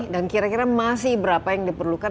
dan kira kira masih berapa yang diperlukan